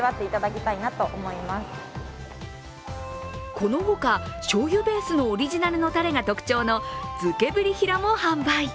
このほか、しょうゆベースのオリジナルのたれが特徴の漬けぶりひらも販売。